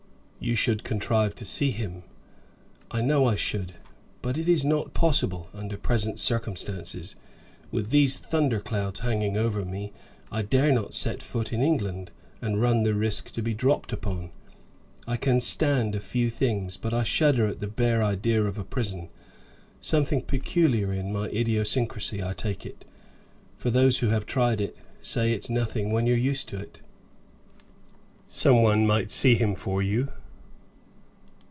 "You should contrive to see him." "I know I should; but it is not possible under present circumstances. With these thunder clouds hanging over me, I dare not set foot in England, and run the risk to be dropped upon. I can stand a few things, but I shudder at the bare idea of a prison. Something peculiar in my idiosyncrasy, I take it, for those who have tried it, say that it's nothing when you're used to it." "Some one might see him for you."